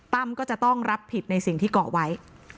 ก็จะต้องรับผิดในสิ่งที่เกาะไว้